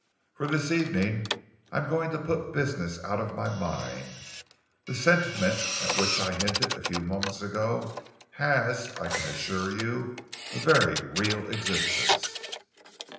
For this evening I am going to put business out of my mind. The sentiment at which I hinted a few moments ago, has, I can assure you, a very real existence."